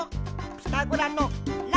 ピタゴラの「ラ」。